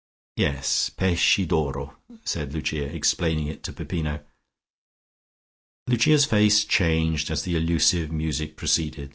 "Yes; Pesci d'oro," said Lucia, explaining it to Peppino. Lucia's face changed as the elusive music proceeded.